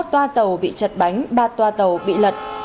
hai mươi một toa tàu bị chật bánh ba toa tàu bị lật